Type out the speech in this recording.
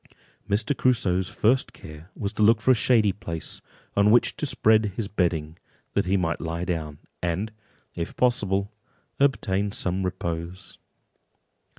Mr. Crusoe's first care was to look for a shady place, on which to spread his bedding, that he might lie down, and, if possible, obtain some repose.